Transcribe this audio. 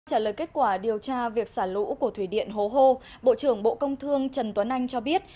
trả lời kết quả điều tra việc xả lũ của thủy điện hố hô bộ trưởng bộ công thương trần tuấn anh cho biết